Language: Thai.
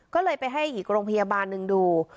ก็เลยไปให้อีกโรงพยาบาลหนึ่งดู